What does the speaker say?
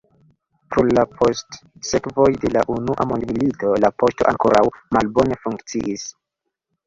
Pro la postsekvoj de la Unua Mondmilito, la poŝto ankoraŭ malbone funkciis.